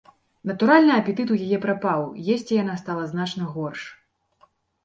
Натуральна, апетыт у яе прапаў, есці яна стала значна горш.